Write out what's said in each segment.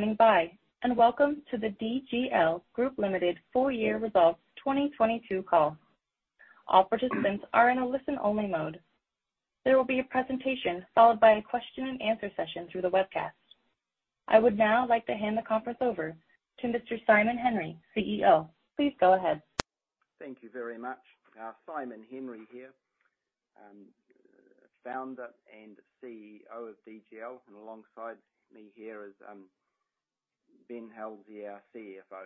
Thank you for standing by, and welcome to the DGL Group Limited Full Year Results 2022 Call. All participants are in a listen-only mode. There will be a presentation followed by a question and answer session through the webcast. I would now like to hand the conference over to Mr. Simon Henry, CEO. Please go ahead. Thank you very much. Simon Henry here, founder and CEO of DGL, and alongside me here is Ben Halsey, our CFO.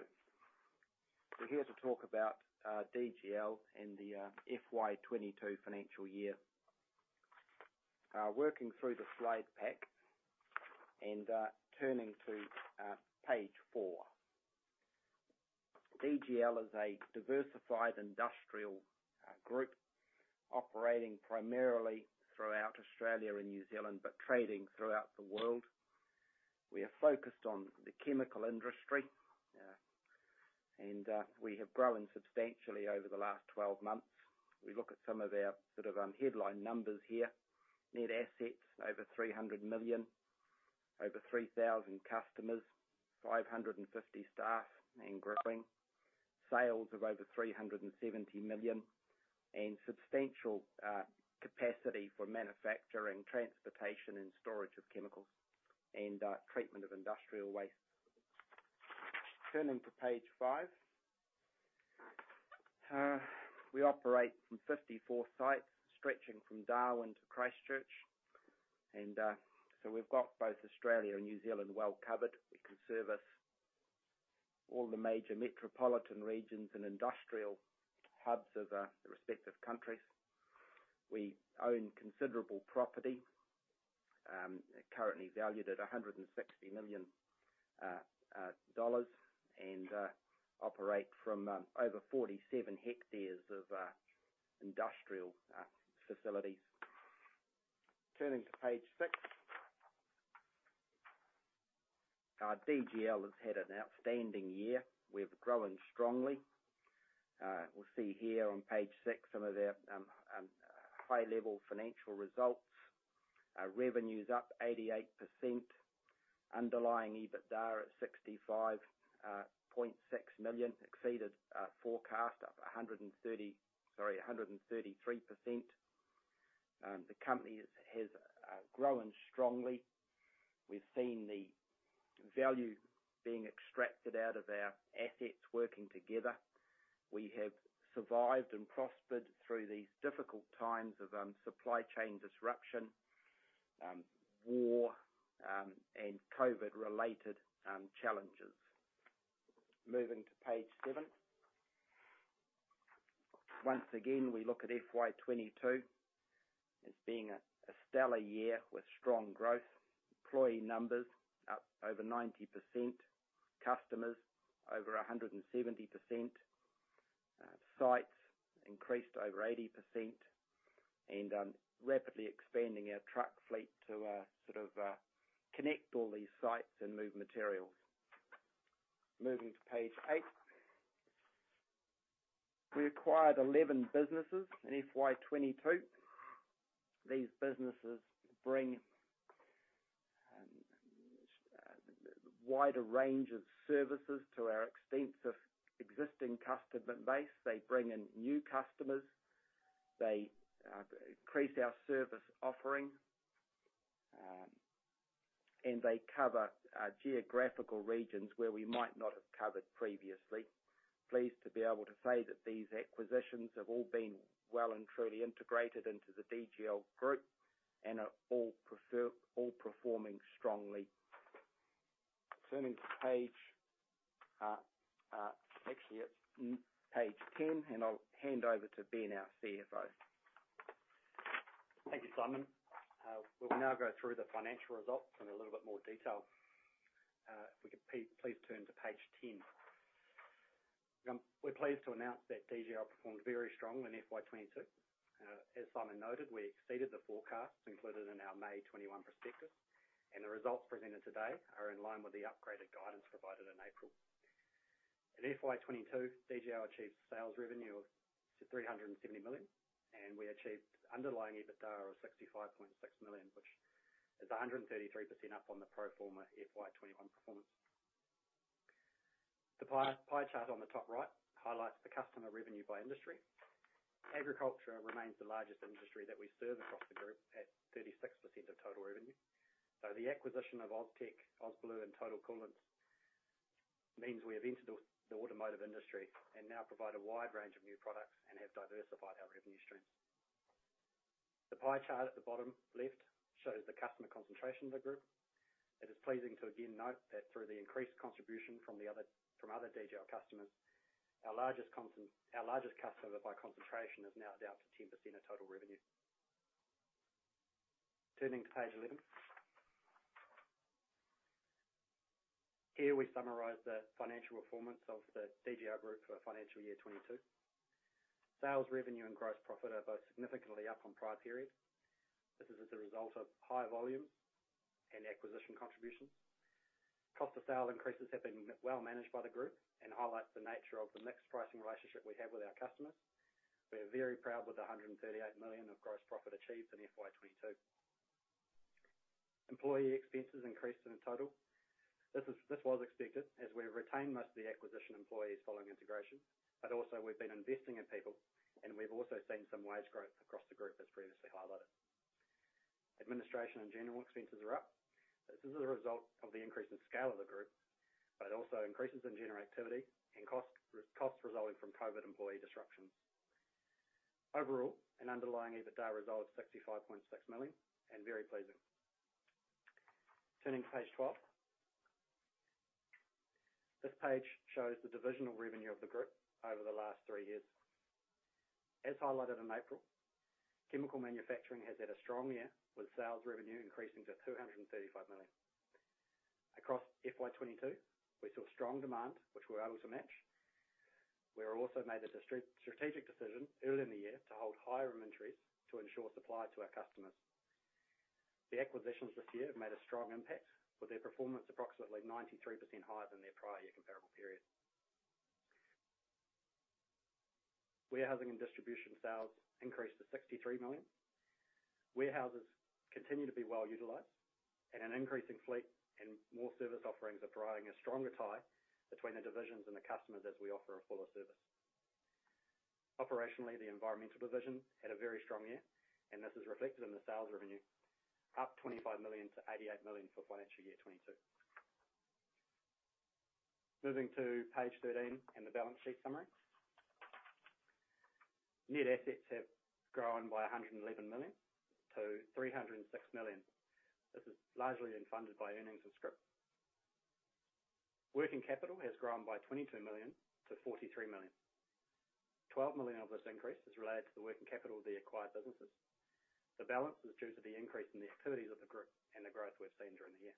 We're here to talk about DGL and the FY 2022 financial year. Working through the slide pack and turning to page four. DGL is a diversified industrial group operating primarily throughout Australia and New Zealand, but trading throughout the world. We are focused on the chemical industry, and we have grown substantially over the last 12 months. We look at some of our sort of headline numbers here. Net assets over 300 million, over 3,000 customers, 550 staff and growing. Sales of over 370 million and substantial capacity for manufacturing, transportation and storage of chemicals and treatment of industrial waste. Turning to page five. We operate from 54 sites stretching from Darwin to Christchurch. We've got both Australia and New Zealand well covered. We can service all the major metropolitan regions and industrial hubs of the respective countries. We own considerable property, currently valued at 160 million dollars and operate from over 47 hectares of industrial facilities. Turning to page six. DGL has had an outstanding year. We've grown strongly. We'll see here on page six some of our high level financial results. Our revenue's up 88%. Underlying EBITDA at 65.6 million exceeded forecast, up 133%. The company has grown strongly. We've seen the value being extracted out of our assets working together. We have survived and prospered through these difficult times of supply chain disruption, war, and COVID-related challenges. Moving to page seven. Once again, we look at FY 2022 as being a stellar year with strong growth. Employee numbers up over 90%, customers over 170%, sites increased over 80% and rapidly expanding our truck fleet to sort of connect all these sites and move materials. Moving to page eight. We acquired 11 businesses in FY 2022. These businesses bring wider range of services to our extensive existing customer base. They bring in new customers, they increase our service offering, and they cover geographical regions where we might not have covered previously. Pleased to be able to say that these acquisitions have all been well and truly integrated into the DGL Group and are all performing strongly. Turning to page, actually it's page 10, and I'll hand over to Ben, our CFO. Thank you, Simon. We will now go through the financial results in a little bit more detail. If we could please turn to page 10. We're pleased to announce that DGL performed very strongly in FY 2022. As Simon noted, we exceeded the forecasts included in our May 2021 prospectus, and the results presented today are in line with the upgraded guidance provided in April. In FY 2022, DGL achieved sales revenue of 370 million, and we achieved underlying EBITDA of 65.6 million, which is 133% up on the pro forma FY 2021 performance. The pie chart on the top right highlights the customer revenue by industry. Agriculture remains the largest industry that we serve across the group at 36% of total revenue. The acquisition of Austech, AUSblue and Total Coolants means we have entered the automotive industry and now provide a wide range of new products and have diversified our revenue streams. The pie chart at the bottom left shows the customer concentration of the group. It is pleasing to again note that through the increased contribution from other DGL customers, our largest customer by concentration is now down to 10% of total revenue. Turning to page 11. Here we summarize the financial performance of the DGL Group for financial year 2022. Sales revenue and gross profit are both significantly up on prior period. This is as a result of high volume and acquisition contributions. Cost of sales increases have been well managed by the group and highlights the nature of the mixed pricing relationship we have with our customers. We're very proud with the 138 million of gross profit achieved in FY 2022. Employee expenses increased in total. This was expected, as we retained most of the acquisition employees following integration, but also we've been investing in people, and we've also seen some wage growth across the group, as previously highlighted. Administration and general expenses are up. This is a result of the increase in scale of the group, but also increases in general activity and costs resulting from COVID employee disruptions. Overall, an underlying EBITDA result of 65.6 million, and very pleasing. Turning to page 12. This page shows the divisional revenue of the group over the last three years. As highlighted in April, chemical manufacturing has had a strong year, with sales revenue increasing to 235 million. Across FY 2022, we saw strong demand, which we were able to match. We also made a strategic decision early in the year to hold higher inventories to ensure supply to our customers. The acquisitions this year have made a strong impact, with their performance approximately 93% higher than their prior year comparable period. Warehousing and distribution sales increased to 63 million. Warehouses continue to be well-utilized, and an increasing fleet and more service offerings are driving a stronger tie between the divisions and the customers as we offer a fuller service. Operationally, the environmental division had a very strong year, and this is reflected in the sales revenue, up 25 million to 88 million for FY 2022. Moving to page 13 and the balance sheet summary. Net assets have grown by 111 million to 306 million. This has largely been funded by earnings and scrip. Working capital has grown by 22 million to 43 million. 12 million of this increase is related to the working capital of the acquired businesses. The balance is due to the increase in the activities of the group and the growth we've seen during the year.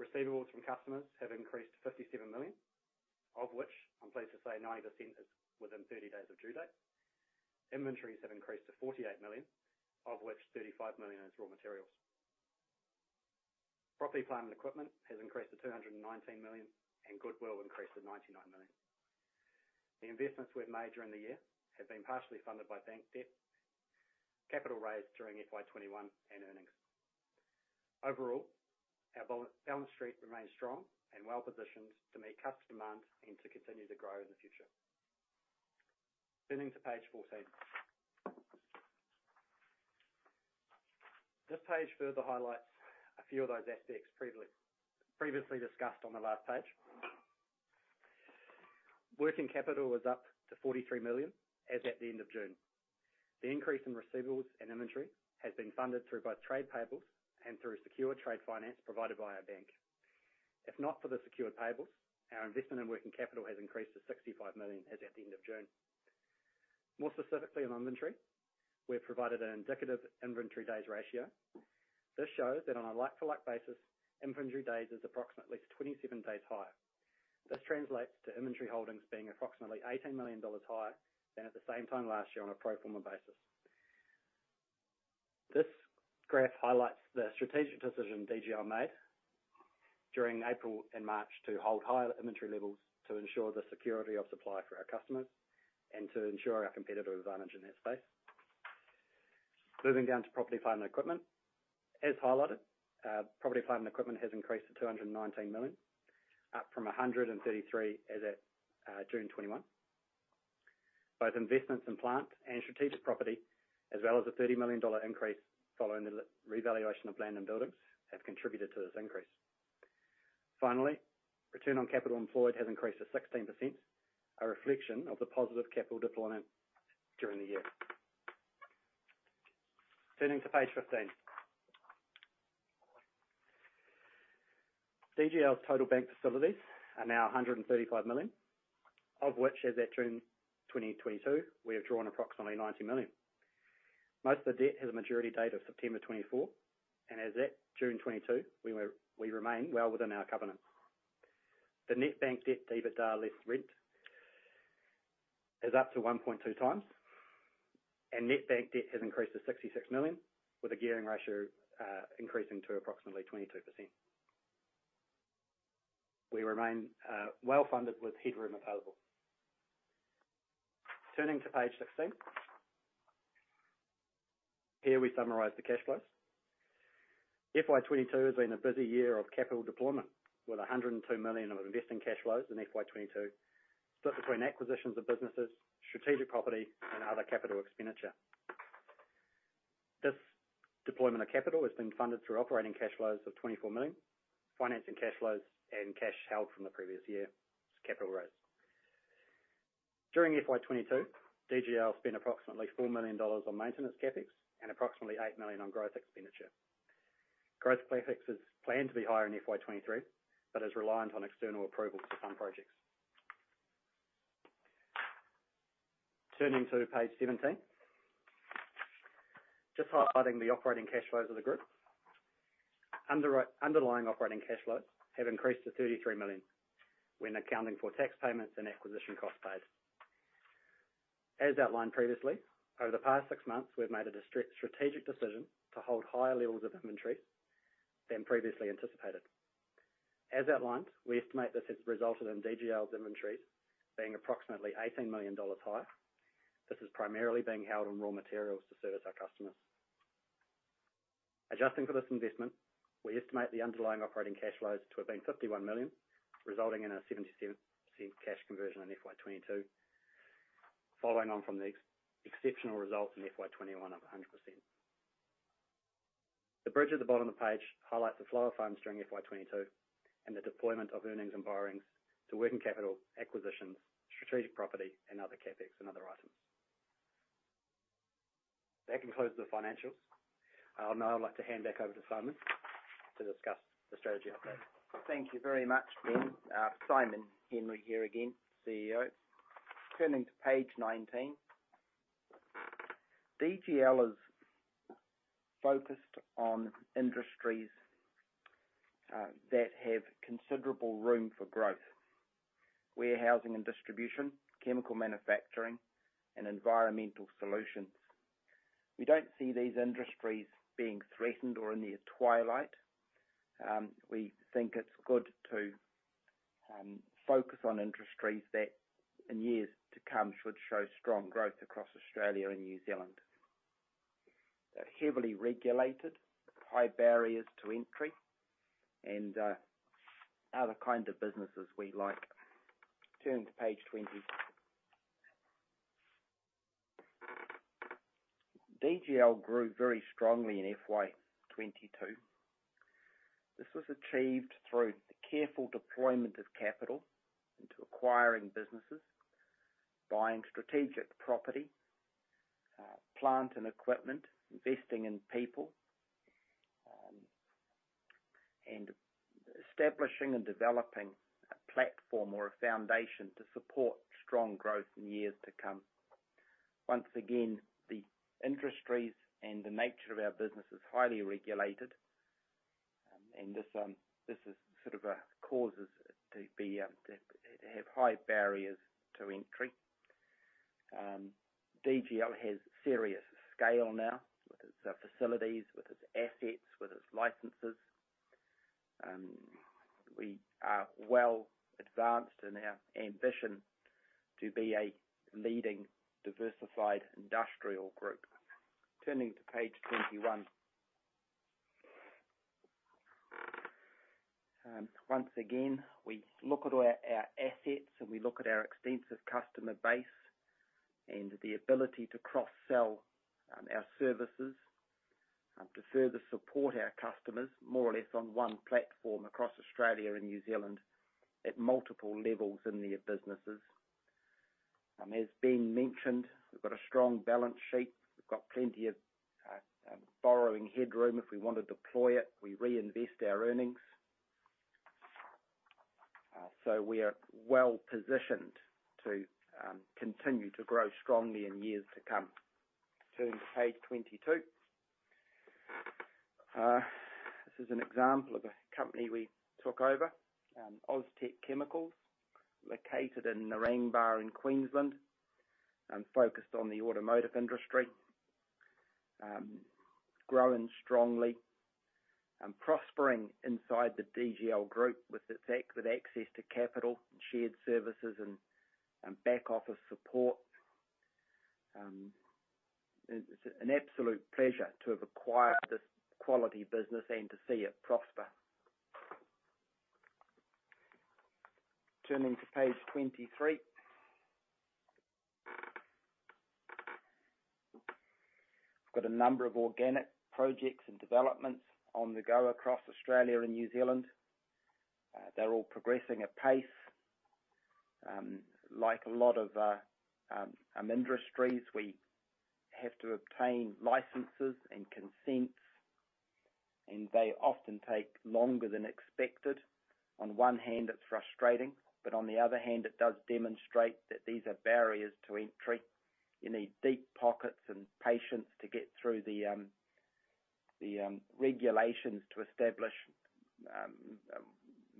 Receivables from customers have increased to 57 million, of which I'm pleased to say 90% is within 30 days of due date. Inventories have increased to 48 million, of which 35 million is raw materials. Property, plant, and equipment has increased to 219 million, and goodwill increased to 99 million. The investments we've made during the year have been partially funded by bank debt, capital raised during FY 2021, and earnings. Overall, our balance sheet remains strong and well-positioned to meet customer demand and to continue to grow in the future. Turning to page 14. This page further highlights a few of those aspects previously discussed on the last page. Working capital was up to 43 million as at the end of June. The increase in receivables and inventory has been funded through both trade payables and through secured trade finance provided by our bank. If not for the secured payables, our investment in working capital has increased to 65 million as at the end of June. More specifically on inventory, we have provided an indicative inventory days ratio. This shows that on a like-for-like basis, inventory days is approximately 27 days higher. This translates to inventory holdings being approximately 18 million dollars higher than at the same time last year on a pro forma basis. This graph highlights the strategic decision DGL made during April and March to hold higher inventory levels to ensure the security of supply for our customers and to ensure our competitive advantage in that space. Moving down to property, plant, and equipment. As highlighted, property, plant, and equipment has increased to 219 million, up from 133 million as at June 2021. Both investments in plant and strategic property, as well as a 30 million dollar increase following the revaluation of land and buildings, have contributed to this increase. Finally, Return on Capital Employed has increased to 16%, a reflection of the positive capital deployment during the year. Turning to page 15. DGL's total bank facilities are now 135 million, of which, as at June 2022, we have drawn approximately 90 million. Most of the debt has a maturity date of September 2024, and as at June 2022, we remain well within our covenants. The net bank debt to EBITDA less rent is up to 1.2x, and net bank debt has increased to 66 million, with the gearing ratio increasing to approximately 22%. We remain well-funded with headroom available. Turning to page 16. Here we summarize the cash flows. FY 2022 has been a busy year of capital deployment, with 102 million of investing cash flows in FY 2022, split between acquisitions of businesses, strategic property, and other capital expenditure. This deployment of capital has been funded through operating cash flows of 24 million, financing cash flows, and cash held from the previous year's capital raise. During FY 2022, DGL spent approximately 4 million dollars on maintenance CapEx and approximately 8 million on growth expenditure. Growth CapEx is planned to be higher in FY 2023 but is reliant on external approvals for some projects. Turning to page 17. Just highlighting the operating cash flows of the group. Underlying operating cash flows have increased to 33 million when accounting for tax payments and acquisition costs paid. As outlined previously, over the past six months, we've made a strategic decision to hold higher levels of inventory than previously anticipated. As outlined, we estimate this has resulted in DGL's inventories being approximately 18 million dollars higher. This is primarily being held on raw materials to service our customers. Adjusting for this investment, we estimate the underlying operating cash flows to have been 51 million, resulting in a 77% cash conversion in FY 2022, following on from the exceptional results in FY 2021 of 100%. The bridge at the bottom of the page highlights the flow of funds during FY 2022 and the deployment of earnings and borrowings to working capital acquisitions, strategic property, and other CapEx and other items. That concludes the financials. Now I'd like to hand back over to Simon to discuss the strategy update. Thank you very much, Ben. Simon Henry here again, CEO. Turning to page 19. DGL is focused on industries that have considerable room for growth, Warehousing and Distribution, Chemical Manufacturing, and environmental solutions. We don't see these industries being threatened or in their twilight. We think it's good to focus on industries that, in years to come, should show strong growth across Australia and New Zealand. They're heavily regulated, high barriers to entry, and are the kind of businesses we like. Turning to page 20. DGL grew very strongly in FY 2022. This was achieved through the careful deployment of capital into acquiring businesses, buying strategic property, plant and equipment, investing in people, and establishing and developing a platform or a foundation to support strong growth in years to come. Once again, the industries and the nature of our business is highly regulated, and this is sort of causes it to be to have high barriers to entry. DGL has serious scale now with its facilities, with its assets, with its licenses. We are well advanced in our ambition to be a leading diversified industrial group. Turning to page 21. Once again, we look at our assets, and we look at our extensive customer base and the ability to cross-sell our services to further support our customers more or less on one platform across Australia and New Zealand at multiple levels in their businesses. As Ben mentioned, we've got a strong balance sheet. We've got plenty of borrowing headroom if we wanna deploy it. We reinvest our earnings. We are well-positioned to continue to grow strongly in years to come. Turning to page 22. This is an example of a company we took over, Austech Chemicals, located in Narangba in Queensland, focused on the automotive industry, growing strongly and prospering inside the DGL Group with its access to capital and shared services and back office support. It's an absolute pleasure to have acquired this quality business and to see it prosper. Turning to page 23. We've got a number of organic projects and developments on the go across Australia and New Zealand. They're all progressing at pace. Like a lot of industries, we have to obtain licenses and consents, and they often take longer than expected. On one hand, it's frustrating, but on the other hand, it does demonstrate that these are barriers to entry. You need deep pockets and patience to get through the regulations to establish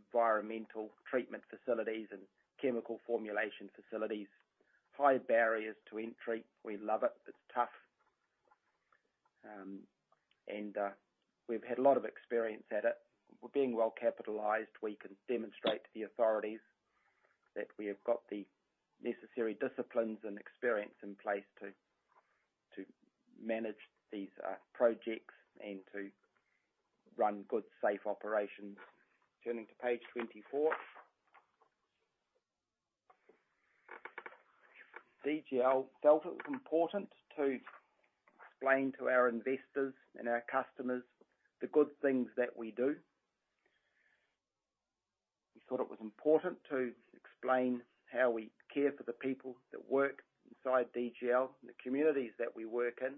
environmental treatment facilities and chemical formulation facilities. High barriers to entry. We love it. It's tough. We've had a lot of experience at it. Being well-capitalized, we can demonstrate to the authorities that we have got the necessary disciplines and experience in place to manage these projects and to run good, safe operations. Turning to page 24. DGL felt it was important to explain to our investors and our customers the good things that we do. We thought it was important to explain how we care for the people that work inside DGL, the communities that we work in,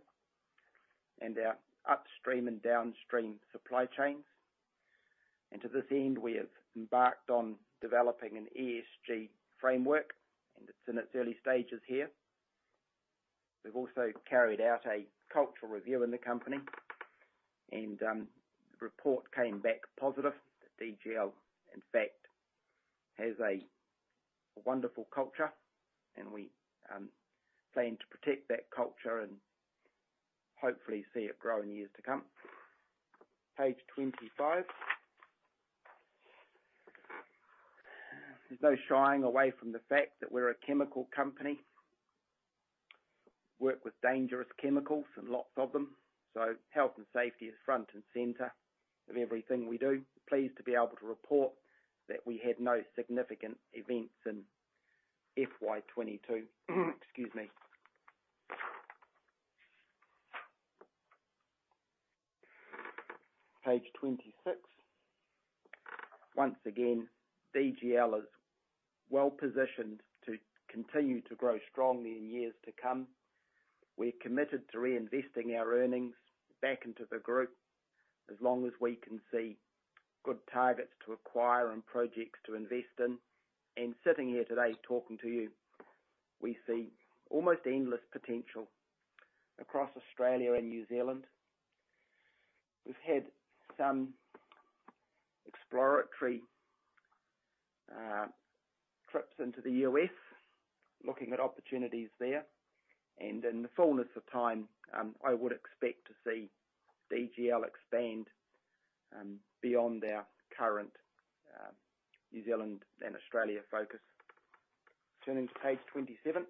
and our upstream and downstream supply chains. To this end, we have embarked on developing an ESG framework, and it's in its early stages here. We've also carried out a cultural review in the company, and the report came back positive that DGL in fact has a wonderful culture, and we plan to protect that culture and hopefully see it grow in years to come. Page 25. There's no shying away from the fact that we're a chemical company. We work with dangerous chemicals and lots of them, so health and safety is front and center of everything we do. Pleased to be able to report that we had no significant events in FY 2022. Excuse me. Page 26. Once again, DGL is well-positioned to continue to grow strongly in years to come. We're committed to reinvesting our earnings back into the group as long as we can see good targets to acquire and projects to invest in. Sitting here today talking to you, we see almost endless potential across Australia and New Zealand. We've had some exploratory trips into the U.S. looking at opportunities there. In the fullness of time, I would expect to see DGL expand beyond our current New Zealand and Australia focus. Turning to page 27.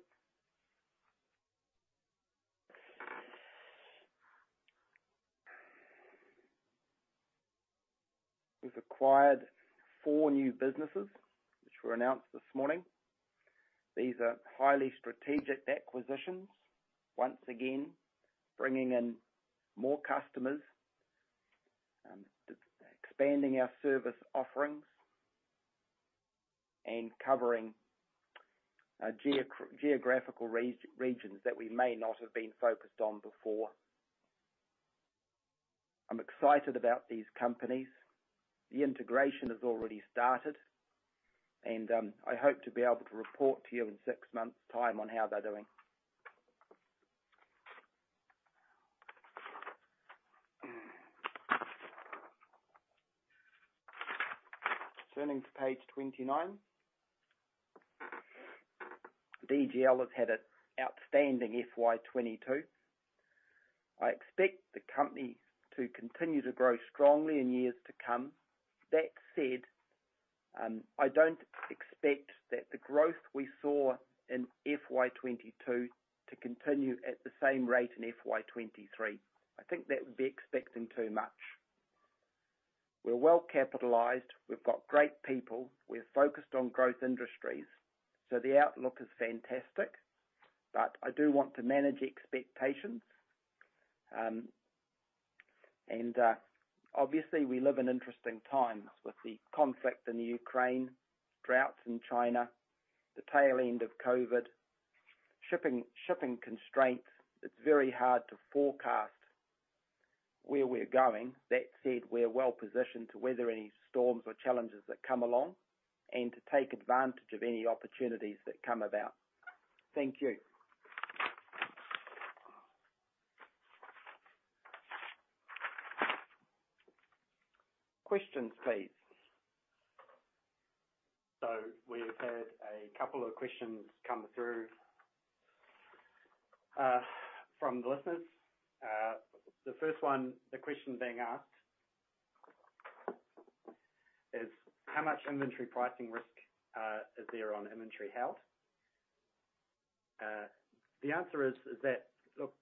We've acquired four new businesses which were announced this morning. These are highly strategic acquisitions, once again, bringing in more customers, expanding our service offerings and covering geographical regions that we may not have been focused on before. I'm excited about these companies. The integration has already started, and I hope to be able to report to you in six months time on how they're doing. Turning to page 29. DGL has had an outstanding FY 2022. I expect the company to continue to grow strongly in years to come. That said, I don't expect that the growth we saw in FY 2022 to continue at the same rate in FY 2023. I think that would be expecting too much. We're well capitalized. We've got great people. We're focused on growth industries, so the outlook is fantastic. But I do want to manage expectations. Obviously, we live in interesting times with the conflict in Ukraine, droughts in China, the tail end of COVID, shipping constraints. It's very hard to forecast where we're going. That said, we're well-positioned to weather any storms or challenges that come along and to take advantage of any opportunities that come about. Thank you. Questions, please. We've had a couple of questions come through from the listeners. The first one, the question being asked is how much inventory pricing risk is there on inventory health? The answer is that, look,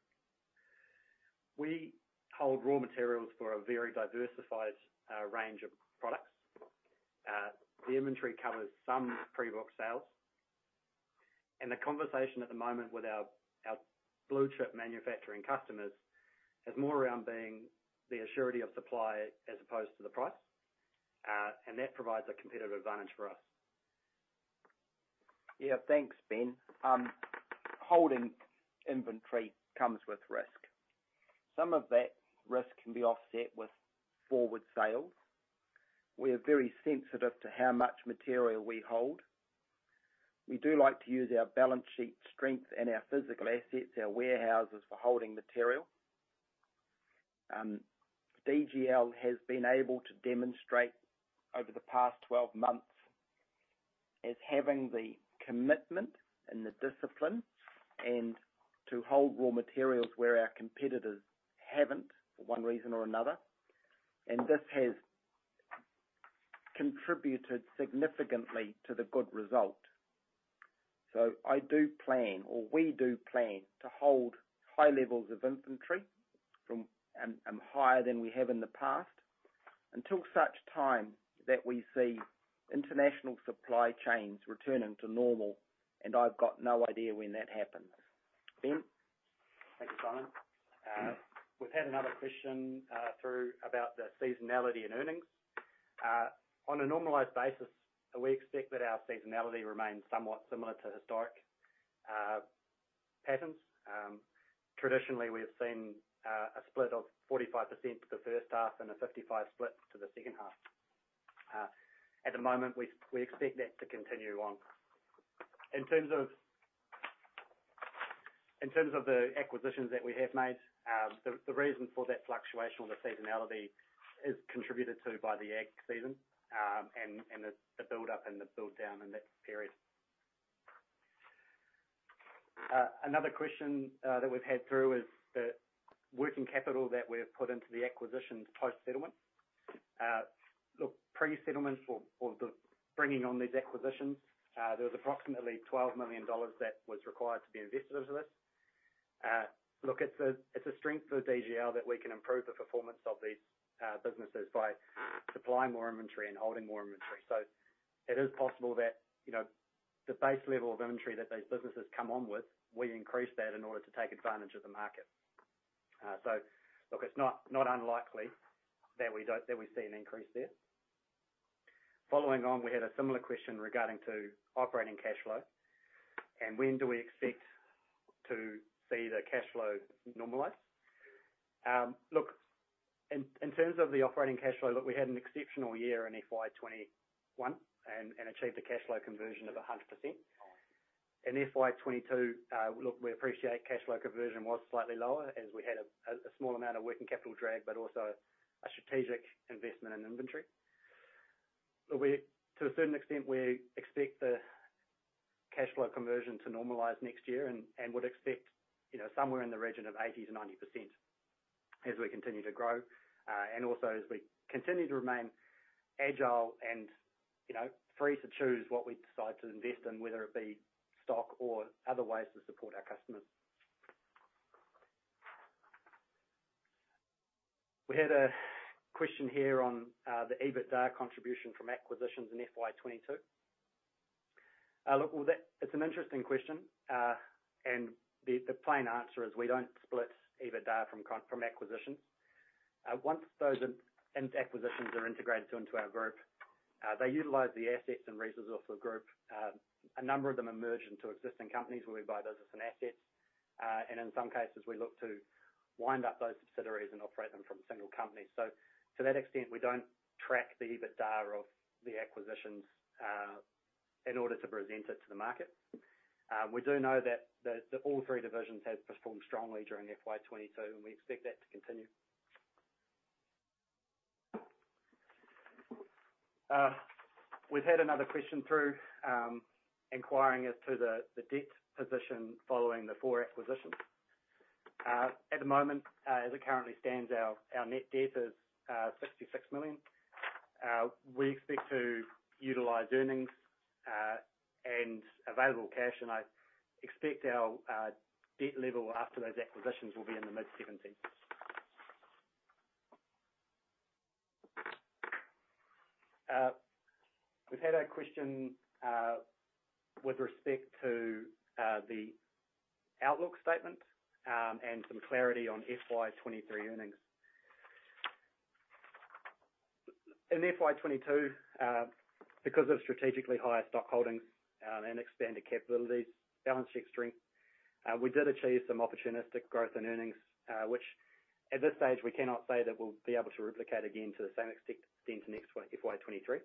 we hold raw materials for a very diversified range of products. The inventory covers some pre-booked sales, and the conversation at the moment with our blue-chip manufacturing customers is more around being the assurance of supply as opposed to the price, and that provides a competitive advantage for us. Yeah. Thanks, Ben. Holding inventory comes with risk. Some of that risk can be offset with forward sales. We are very sensitive to how much material we hold. We do like to use our balance sheet strength and our physical assets, our warehouses for holding material. DGL has been able to demonstrate over the past 12 months as having the commitment and the discipline, and to hold raw materials where our competitors haven't for one reason or another. This has contributed significantly to the good result. I do plan, or we do plan to hold high levels of inventory higher than we have in the past, until such time that we see international supply chains returning to normal, and I've got no idea when that happens. Ben. Thank you, Simon. We've had another question come through about the seasonality and earnings. On a normalized basis, we expect that our seasonality remains somewhat similar to historic patterns. Traditionally, we have seen a split of 45% to the first half and a 55 split to the second half. At the moment, we expect that to continue on. In terms of the acquisitions that we have made, the reason for that fluctuation or the seasonality is contributed to by the ag season, and the build up and the build down in that period. Another question that we've had come through is the working capital that we have put into the acquisitions post-settlement. Look, pre-settlement for the bringing on these acquisitions, there was approximately 12 million dollars that was required to be invested into this. Look, it's a strength for DGL that we can improve the performance of these businesses by supplying more inventory and holding more inventory. It is possible that, you know, the base level of inventory that those businesses come on with, we increase that in order to take advantage of the market. Look, it's not unlikely that we see an increase there. Following on, we had a similar question regarding to operating cash flow and when do we expect to see the cash flow normalize. In terms of the operating cash flow, we had an exceptional year in FY 2021 and achieved a cash flow conversion of 100%. In FY 2022, look, we appreciate Cash Flow Conversion was slightly lower as we had a small amount of working capital drag, but also a strategic investment in inventory. To a certain extent, we expect the Cash Flow Conversion to normalize next year and would expect, you know, somewhere in the region of 80%-90% as we continue to grow, and also as we continue to remain agile and, you know, free to choose what we decide to invest in, whether it be stock or other ways to support our customers. We had a question here on the EBITDA contribution from acquisitions in FY 2022. It's an interesting question. The plain answer is we don't split EBITDA from acquisitions. Once those acquisitions are integrated into our group, they utilize the assets and resources of the group. A number of them are merged into existing companies where we buy business and assets, and in some cases, we look to wind up those subsidiaries and operate them from a single company. To that extent, we don't track the EBITDA of the acquisitions in order to present it to the market. We do know that all three divisions have performed strongly during FY 2022, and we expect that to continue. We've had another question through inquiring as to the debt position following the four acquisitions. At the moment, as it currently stands, our net debt is 66 million. We expect to utilize earnings and available cash, and I expect our debt level after those acquisitions will be in the mid-70s. We've had a question with respect to the outlook statement and some clarity on FY 2023 earnings. In FY 2022, because of strategically higher stock holdings and expanded capabilities, balance sheet strength, we did achieve some opportunistic growth in earnings, which at this stage we cannot say that we'll be able to replicate again to the same extent to next one, FY 2023.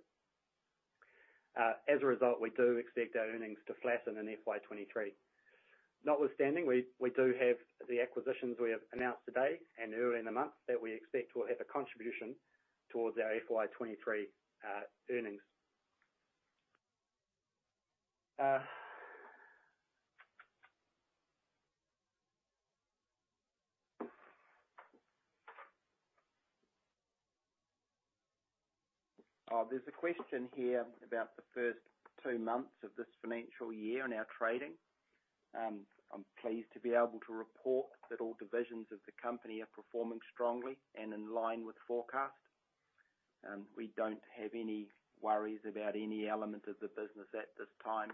As a result, we do expect our earnings to flatten in FY 2023. Notwithstanding, we do have the acquisitions we have announced today and earlier in the month that we expect will have a contribution towards our FY 2023 earnings. There's a question here about the first two months of this financial year and our trading. I'm pleased to be able to report that all divisions of the company are performing strongly and in line with forecast. We don't have any worries about any element of the business at this time.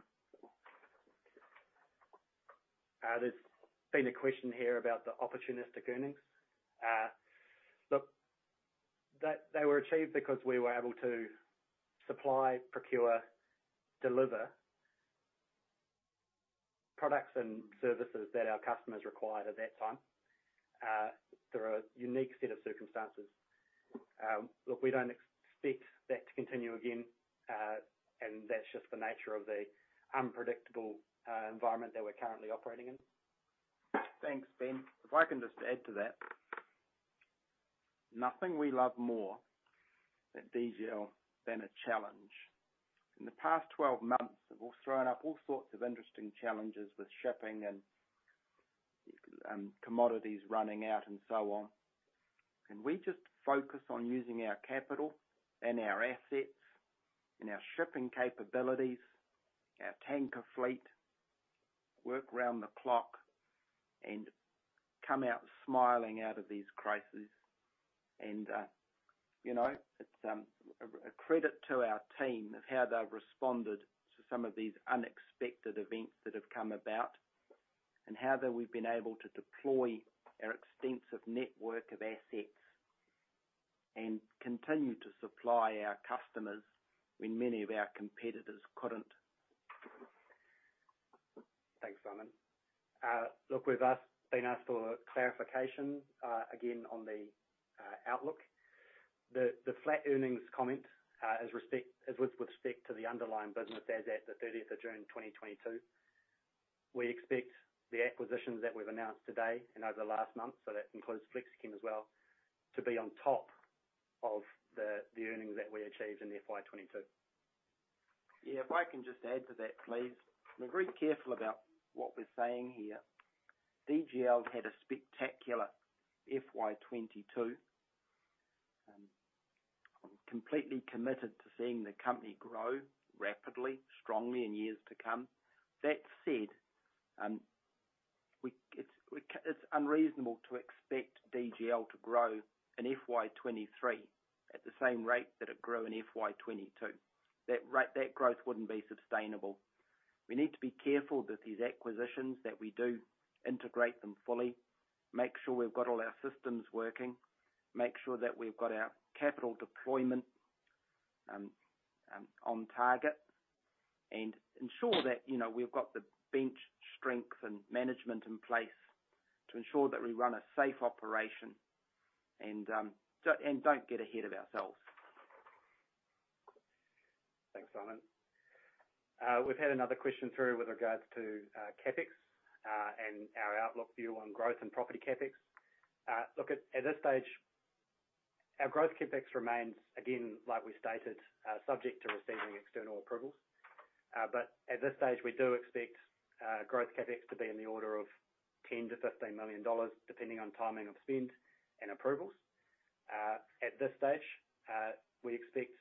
There's been a question here about the opportunistic earnings. Look, they were achieved because we were able to supply, procure, deliver products and services that our customers required at that time through a unique set of circumstances. Look, we don't expect that to continue again, and that's just the nature of the unpredictable environment that we're currently operating in. Thanks, Ben. If I can just add to that. Nothing we love more at DGL than a challenge. In the past 12 months, we've all thrown up all sorts of interesting challenges with shipping and commodities running out and so on. We just focus on using our capital and our assets and our shipping capabilities, our tanker fleet, work round the clock and come out smiling out of these crises. You know, it's a credit to our team of how they've responded to some of these unexpected events that have come about, and how that we've been able to deploy our extensive network of assets and continue to supply our customers when many of our competitors couldn't. Thanks, Simon. Look, we've been asked for clarification again on the outlook. The flat earnings comment is with respect to the underlying business as at the June 30th 2022. We expect the acquisitions that we've announced today and over the last month, so that includes Flexichem as well, to be on top of the earnings that we achieved in FY 2022. Yeah, if I can just add to that, please. We're very careful about what we're saying here. DGL had a spectacular FY 2022. I'm completely committed to seeing the company grow rapidly, strongly in years to come. That said, it's unreasonable to expect DGL to grow in FY 2023 at the same rate that it grew in FY 2022. That growth wouldn't be sustainable. We need to be careful that these acquisitions that we do integrate them fully, make sure we've got all our systems working, make sure that we've got our capital deployment on target, and ensure that, you know, we've got the bench strength and management in place to ensure that we run a safe operation and don't get ahead of ourselves. Thanks, Simon. We've had another question through with regards to CapEx and our outlook view on growth and property CapEx. At this stage, our growth CapEx remains, again, like we stated, subject to receiving external approvals. At this stage we do expect growth CapEx to be in the order of 10 million-15 million dollars, depending on timing of spend and approvals. At this stage, we expect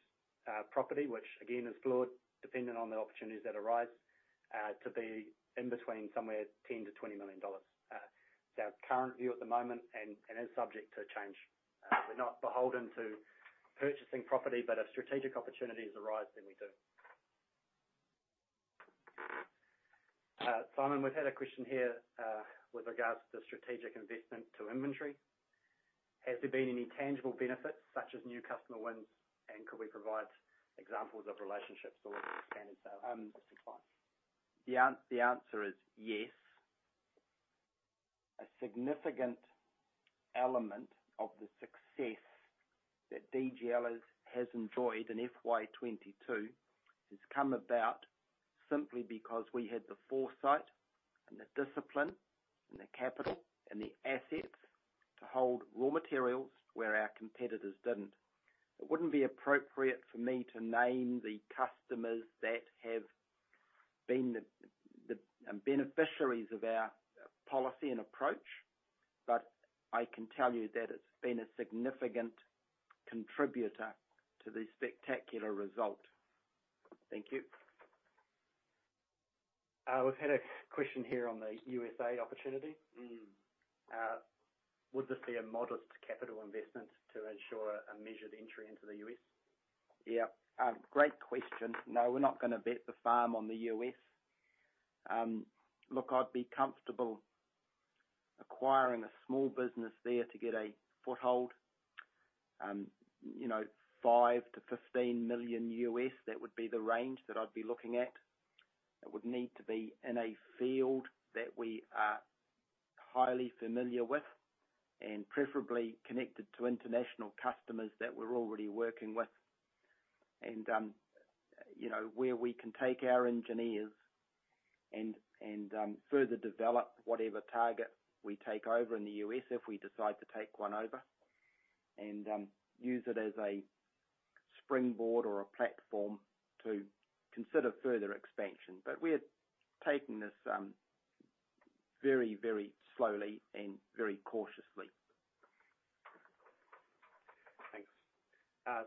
property, which again is fluid, dependent on the opportunities that arise, to be in between somewhere 10 million-20 million dollars. It's our current view at the moment and is subject to change. We're not beholden to purchasing property, but if strategic opportunities arise, then we do. Simon, we've had a question here with regards to strategic investment to inventory. Has there been any tangible benefits such as new customer wins, and could we provide examples of relationships or standard sale, supply? The answer is yes. A significant element of the success that DGL has enjoyed in FY 22 has come about simply because we had the foresight and the discipline and the capital and the assets to hold raw materials where our competitors didn't. It wouldn't be appropriate for me to name the customers that have been the beneficiaries of our policy and approach, but I can tell you that it's been a significant contributor to the spectacular result. Thank you. We've had a question here on the U.S.A. opportunity. Mm. Would this be a modest capital investment to ensure a measured entry into the U.S.? Yeah. Great question. No, we're not gonna bet the farm on the U.S.. Look, I'd be comfortable acquiring a small business there to get a foothold. You know, $5 million-$15 million, that would be the range that I'd be looking at. It would need to be in a field that we are highly familiar with and preferably connected to international customers that we're already working with, and you know, where we can take our engineers and further develop whatever target we take over in the U.S. if we decide to take one over, and use it as a springboard or a platform to consider further expansion. We are taking this very, very slowly and very cautiously. Thanks.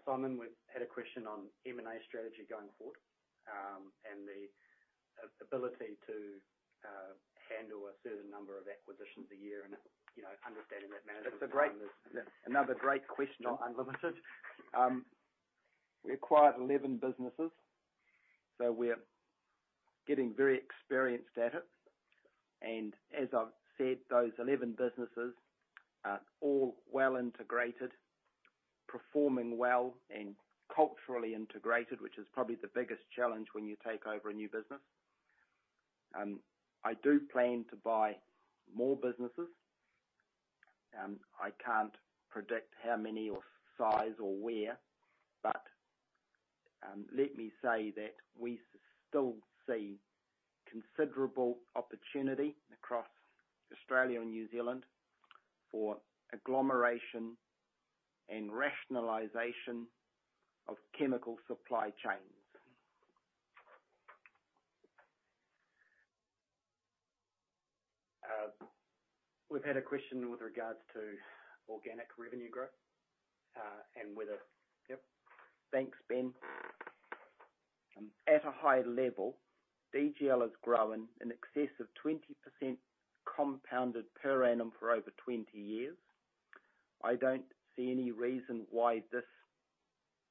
Simon, we've had a question on M&A strategy going forward, and the ability to handle a certain number of acquisitions a year and, you know, understanding that management Another great question. Not unlimited. We acquired 11 businesses, so we're getting very experienced at it. As I've said, those 11 businesses are all well-integrated, performing well, and culturally integrated, which is probably the biggest challenge when you take over a new business. I do plan to buy more businesses. I can't predict how many or size or where, but let me say that we still see considerable opportunity across Australia and New Zealand for agglomeration and rationalization of chemical supply chains. We've had a question with regards to organic revenue growth, and whether- Yep. Thanks, Ben. At a high level, DGL has grown in excess of 20% compounded per annum for over 20 years. I don't see any reason why this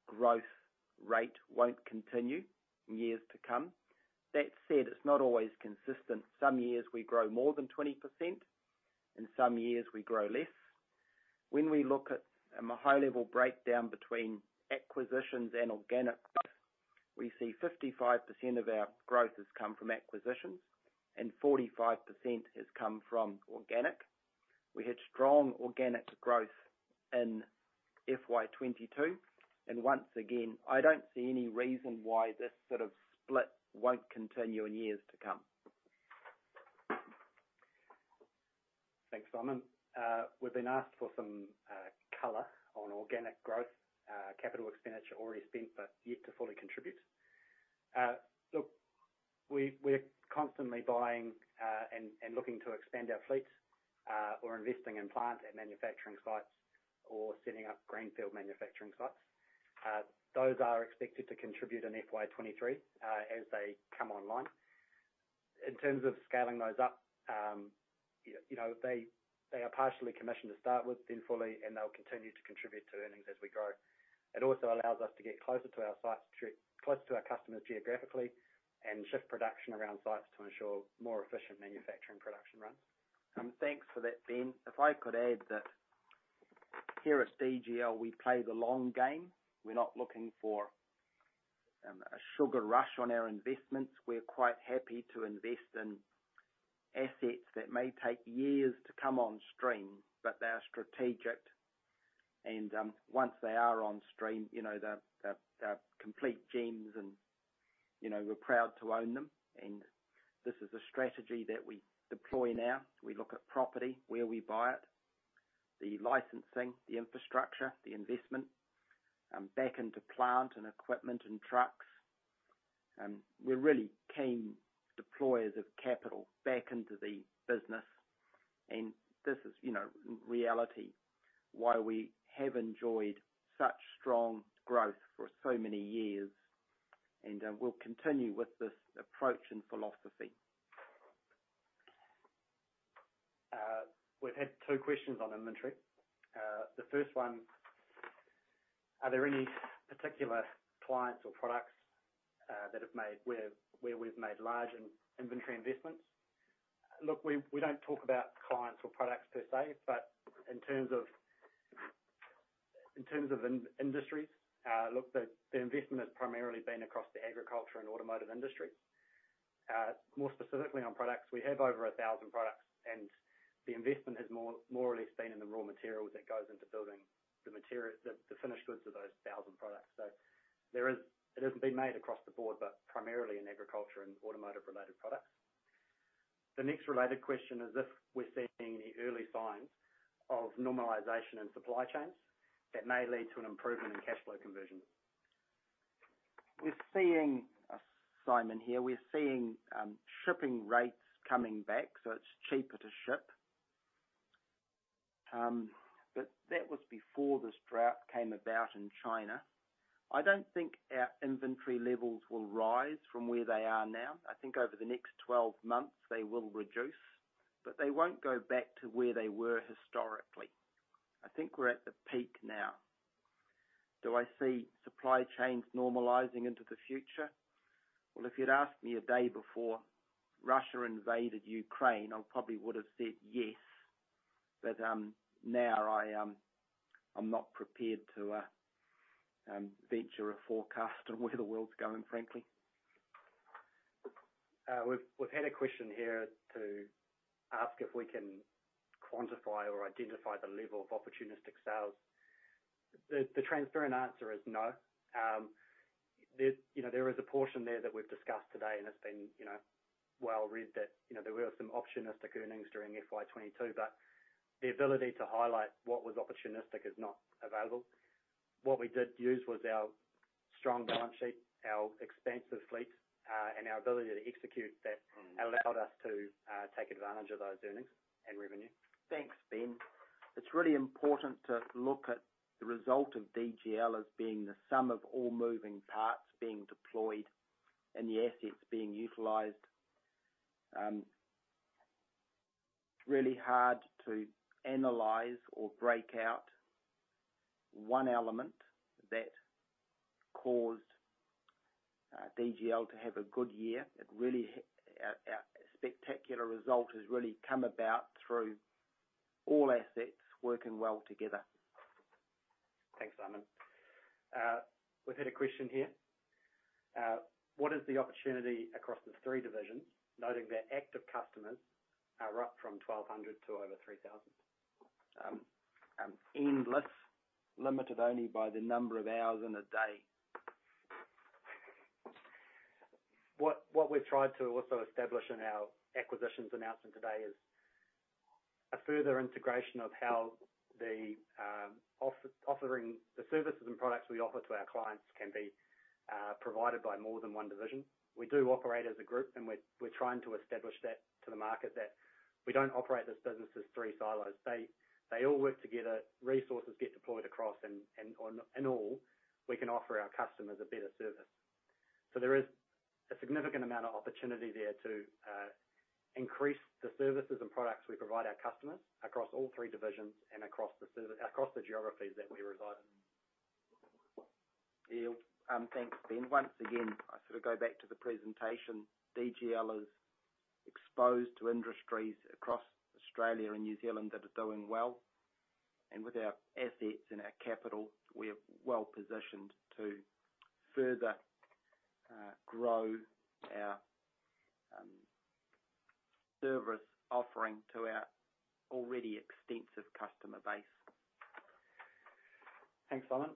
growth rate won't continue in years to come. That said, it's not always consistent. Some years we grow more than 20%, and some years we grow less. When we look at a high level breakdown between acquisitions and organic growth, we see 55% of our growth has come from acquisitions and 45% has come from organic. We had strong organic growth in FY 2022. Once again, I don't see any reason why this sort of split won't continue in years to come. Thanks, Simon. We've been asked for some color on organic growth, CapEx already spent, but yet to fully contribute. We're constantly buying and looking to expand our fleets, or investing in plant at manufacturing sites or setting up greenfield manufacturing sites. Those are expected to contribute in FY 2023, as they come online. In terms of scaling those up, you know, they are partially commissioned to start with then fully, and they'll continue to contribute to earnings as we grow. It also allows us to get closer to our customers geographically and shift production around sites to ensure more efficient manufacturing production runs. Thanks for that, Ben. If I could add that here at DGL, we play the long game. We're not looking for a sugar rush on our investments. We're quite happy to invest in assets that may take years to come on stream, but they are strategic. Once they are on stream, you know, they're complete gems and, you know, we're proud to own them. This is a strategy that we deploy now. We look at property, where we buy it, the licensing, the infrastructure, the investment back into plant and equipment and trucks. We're really keen deployers of capital back into the business. This is, you know, reality, why we have enjoyed such strong growth for so many years, and we'll continue with this approach and philosophy. We've had two questions on inventory. The first one: Are there any particular clients or products where we've made large inventory investments? Look, we don't talk about clients or products per se, but in terms of industries, look, the investment has primarily been across the agriculture and automotive industry. More specifically on products, we have over 1,000 products, and the investment has more or less been in the raw materials that goes into building the finished goods of those 1,000 products. There is. It hasn't been made across the board, but primarily in agriculture and automotive related products. The next related question is if we're seeing any early signs of normalization in supply chains that may lead to an improvement in cash flow conversion. We're seeing Simon here. Shipping rates coming back, so it's cheaper to ship. That was before this drought came about in China. I don't think our inventory levels will rise from where they are now. I think over the next 12 months, they will reduce, but they won't go back to where they were historically. I think we're at the peak now. Do I see supply chains normalizing into the future? Well, if you'd asked me a day before Russia invaded Ukraine, I probably would have said yes. Now I'm not prepared to venture a forecast on where the world's going, frankly. We've had a question here to ask if we can quantify or identify the level of opportunistic sales. The transparent answer is no. There, you know, there is a portion there that we've discussed today, and it's been, you know, well read that, you know, there were some opportunistic earnings during FY 2022, but the ability to highlight what was opportunistic is not available. What we did use was our strong balance sheet, our expansive fleets, and our ability to execute that allowed us to take advantage of those earnings and revenue. Thanks, Ben. It's really important to look at the result of DGL as being the sum of all moving parts being deployed and the assets being utilized. Really hard to analyze or break out one element that caused DGL to have a good year. Our spectacular result has really come about through all assets working well together. Thanks, Simon. We've had a question here. What is the opportunity across the three divisions, noting that active customers are up from 1,200 to over 3,000? Endless. Limited only by the number of hours in a day. What we've tried to also establish in our acquisitions announcement today is a further integration of how the offering the services and products we offer to our clients can be provided by more than one division. We do operate as a group, and we're trying to establish that to the market that we don't operate this business as three silos. They all work together. Resources get deployed across and in all, we can offer our customers a better service. There is a significant amount of opportunity there to increase the services and products we provide our customers across all three divisions and across the geographies that we reside in. Yeah. Thanks, Ben. Once again, I sort of go back to the presentation. DGL is exposed to industries across Australia and New Zealand that are doing well. With our assets and our capital, we are well-positioned to further grow our service offering to our already extensive customer base. Thanks, Simon.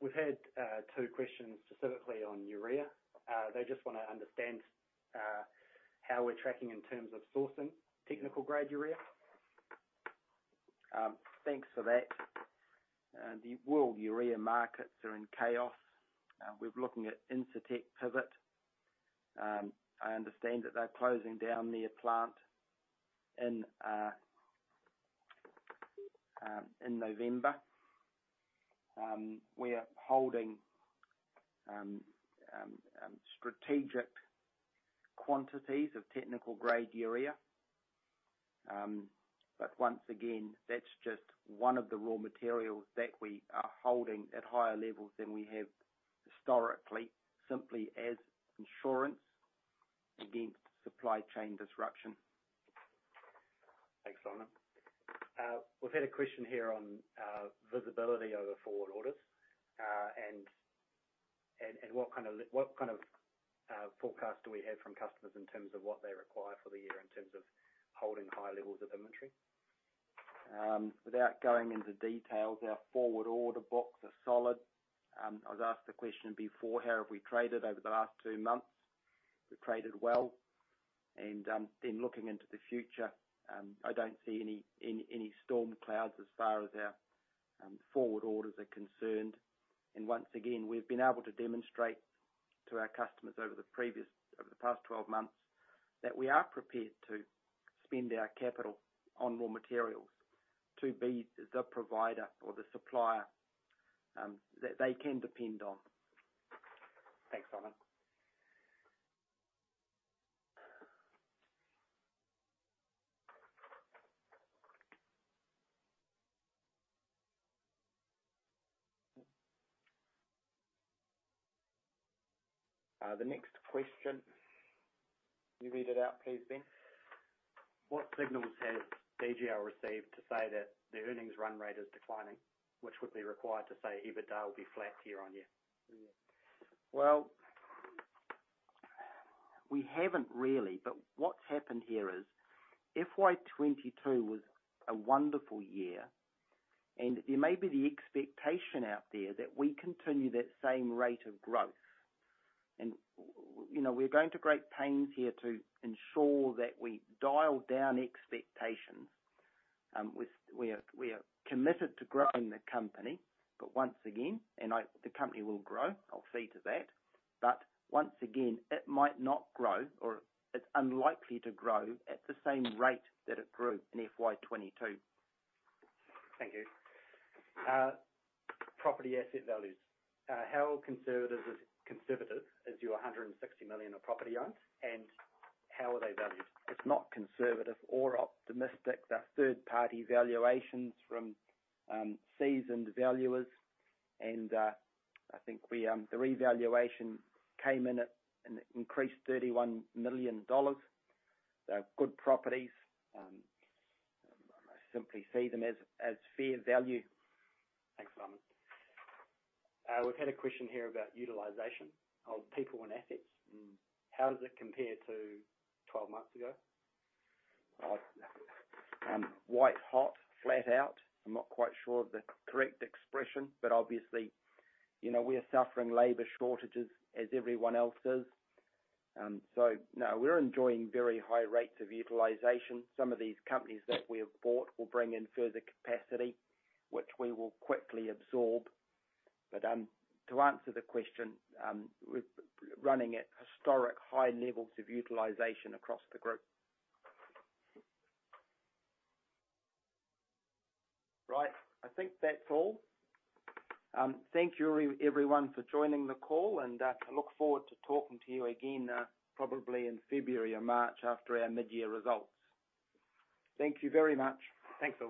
We've had two questions specifically on urea. They just wanna understand how we're tracking in terms of sourcing Technical-grade urea. Thanks for that. The world urea markets are in chaos. We're looking at Incitec Pivot. I understand that they're closing down their plant in November. We are holding strategic quantities of technical-grade urea. Once again, that's just one of the raw materials that we are holding at higher levels than we have historically, simply as insurance against supply chain disruption. Thanks, Simon. We've had a question here on visibility over forward orders. What kind of forecast do we have from customers in terms of what they require for the year in terms of holding high levels of inventory? Without going into details, our forward order books are solid. I was asked the question before, how have we traded over the last two months? We've traded well. In looking into the future, I don't see any storm clouds as far as our forward orders are concerned. Once again, we've been able to demonstrate to our customers over the past 12 months that we are prepared to spend our capital on raw materials to be the provider or the supplier that they can depend on. Thanks, Simon. The next question. You read it out please, Ben. What signals has DGL received to say that the earnings run rate is declining, which would be required to say EBITDA will be flat year-over-year? Well, we haven't really. What's happened here is, FY 2022 was a wonderful year, and there may be the expectation out there that we continue that same rate of growth. You know, we're going to great pains here to ensure that we dial down expectations. We are committed to growing the company, but once again, the company will grow. I'll see to that, but once again, it might not grow or it's unlikely to grow at the same rate that it grew in FY 2022. Thank you. Property asset values. How conservative is your 160 million of property assets, and how are they valued? It's not conservative or optimistic. They're third-party valuations from seasoned valuers. I think the revaluation came in at an increased 31 million dollars. They're good properties. I simply see them as fair value. Thanks, Simon. We've had a question here about utilization of people and assets. Mm-hmm. How does it compare to twelve months ago? White hot, flat out. I'm not quite sure of the correct expression, but obviously, you know, we are suffering labor shortages as everyone else is. No, we're enjoying very high rates of utilization. Some of these companies that we have bought will bring in further capacity, which we will quickly absorb. To answer the question, we're running at historic high levels of utilization across the group. Right. I think that's all. Thank you everyone for joining the call, and I look forward to talking to you again, probably in February or March after our mid-year results. Thank you very much. Thanks, Simon.